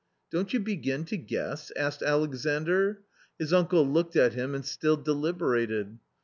" Don't you begin to guess ?" asked Alexandr. His uncle looked at him and still deliberated.